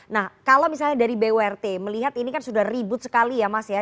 nah kalau misalnya dari burt melihat ini kan sudah ribut sekali ya mas ya